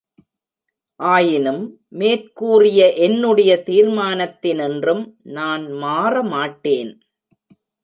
ஆயினும், மேற்கூறிய என்னுடைய தீர்மானத்தினின்றும் நான் மாறமாட்டேன்!